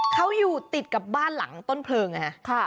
เขาอยู่ติดกับบ้านหลังต้นเพลิงนะฮะ